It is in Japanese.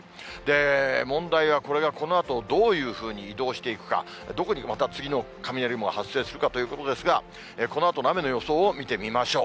問題は、これがこのあとどういうふうに移動していくか、どこにまた次の雷雲が発生するかということですが、このあとの雨の予想を見てみましょう。